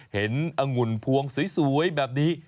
องุ่นพวงสวยแบบนี้